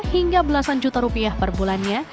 hingga belasan juta rupiah per bulannya